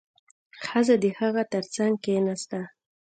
ښځه د هغه تر څنګ کېناسته.